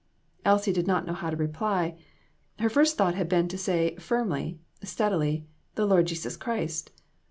Elsie did not know how to reply ; her first thought had been to say firmly, steadily "The Lord Jesus Christ."